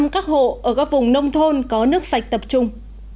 một trăm linh các hộ ở các vùng nông thôn có nước sạch tập trung